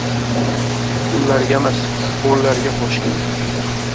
Qullargamas, hurlarga qoʻshiq